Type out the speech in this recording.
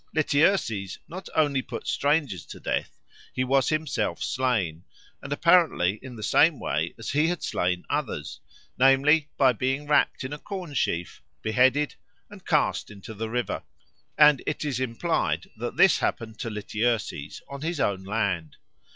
Lityerses not only put strangers to death; he was himself slain, and apparently in the same way as he had slain others, namely, by being wrapt in a corn sheaf, beheaded, and cast into the river; and it is implied that this happened to Lityerses on his own land.